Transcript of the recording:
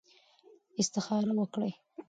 استخاره وکړئ.